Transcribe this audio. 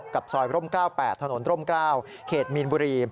ซอยร่ม๙๘ถนนร่ม๙เขตมีนบุรี